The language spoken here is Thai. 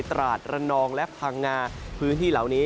ตราดระนองและพังงาพื้นที่เหล่านี้